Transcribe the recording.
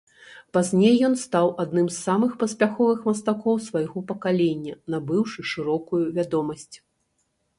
Пазней ён стаў адным з самых паспяховых мастакоў свайго пакалення, набыўшы шырокую вядомасць.